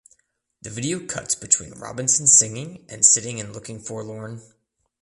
The video cuts between Robinson singing and sitting and looking forlorn.